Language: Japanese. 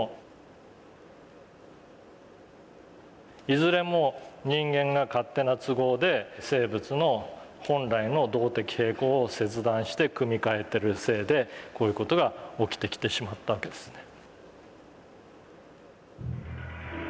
いずれも人間が勝手な都合で生物の本来の「動的平衡」を切断して組みかえてるせいでこういう事が起きてきてしまったわけですね。